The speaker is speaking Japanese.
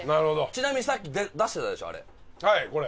ちなみにさっき出してたでしょあれ。